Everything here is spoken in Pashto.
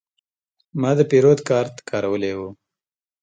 ما د پیرود کارت کارولی و.